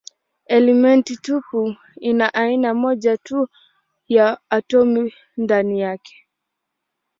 Elementi tupu ina aina moja tu ya atomi ndani yake.